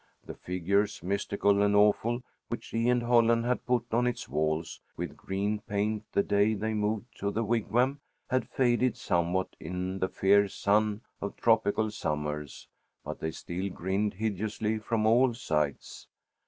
The figures "mystical and awful" which she and Holland had put on its walls with green paint the day they moved to the Wigwam, had faded somewhat in the fierce sun of tropical summers, but they still grinned hideously from all sides.